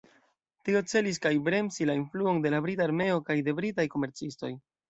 Tio celis kaj bremsi la influon de la brita armeo kaj de britaj komercistoj.